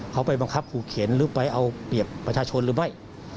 เขาไปบังคับขู่เข็นหรือไปเอาเปรียบประชาชนหรือไม่